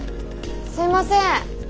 すいません！